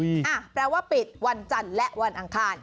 อ่ะแปลว่าปิดวันจันทร์และวันอังคาร